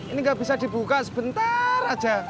ini nggak bisa dibuka sebentar aja